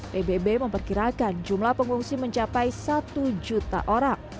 pbb memperkirakan jumlah pengungsi mencapai satu juta orang